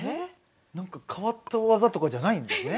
何か変わった技とかじゃないんですね。